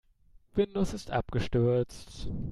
Windows ist abgestürzt.